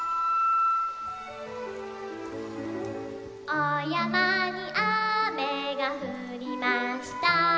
「おやまにあめがふりました」